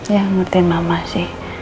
ya ngertiin mama sih